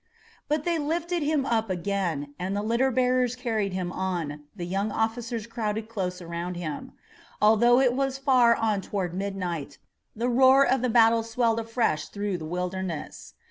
But they lifted him up again, and the litter bearers carried him on, the young officers crowded close around him. Although it was far on toward midnight, the roar of the battle swelled afresh through the Wilderness.